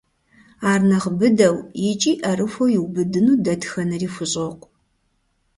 Ар нэхъ быдэу икӏи ӏэрыхуэу иубыдыну дэтхэнэри хущӏокъу.